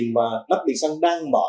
mà nắp bình xăng đang mở